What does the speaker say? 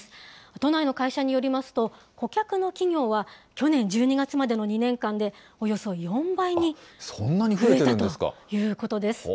都内の会社によりますと、顧客の企業は去年１２月までの２年間でおよそ４倍に増えたということです。